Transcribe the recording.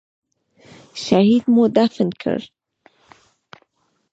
شهيد مو دفن کړ.